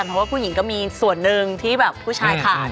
เพราะว่าผู้หญิงก็มีส่วนหนึ่งที่แบบผู้ชายขาด